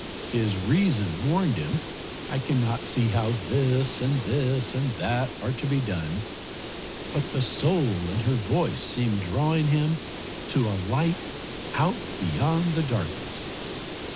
His reason warned him I cannot see how this and this and that are to be done, but the soul in her voice seemed drawing him to a light out beyond the darkness.